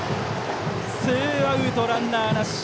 ツーアウトランナーなし。